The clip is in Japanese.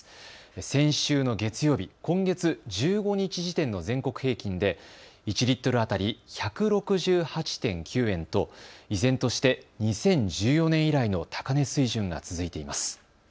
先週の月曜日、今月１５日時点の全国平均で１リットル当たり１６８．９円と依然として２０１４年以来の高値水準が続いています。